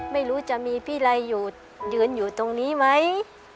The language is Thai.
ไม่รู้จะมีพี่ไรอยู่ยืนอยู่ตรงนี้ไหม